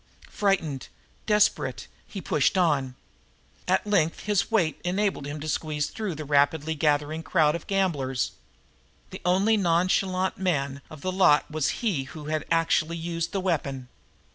Frightened, desperate, he pushed on. At length his weight enabled him to squeeze through the rapidly gathering crowd of gamblers. The only nonchalant man of the lot was he who had actually used the weapon.